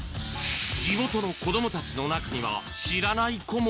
地元の子どもたちの中には、知らない子も。